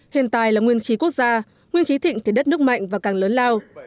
hiện tại là nguyên khí quốc gia nguyên khí thịnh thể đất nước mạnh và càng lớn lao